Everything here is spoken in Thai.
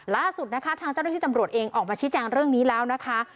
ล่าสุดนะคะทางเจ้าหน้าที่ตำรวจเองออกมาชี้แจงเรื่องนี้แล้วนะคะ